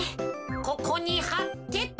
ここにはってと。